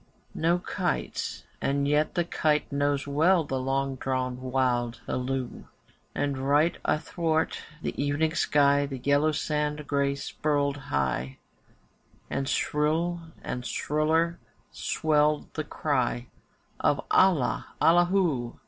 No kite's, and yet the kite knows well The long drawn wild halloo. And right athwart the evening sky The yellow sand spray spurtled high, And shrill and shriller swelled the cry Of 'Allah! Allahu!